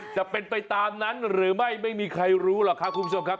จะเป็นไปตามนั้นหรือไม่ไม่มีใครรู้หรอกครับคุณผู้ชมครับ